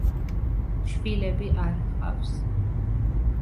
შვილები არ ჰყავს.